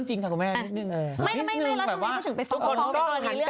อีนเหรอเหรอหรอเนอะ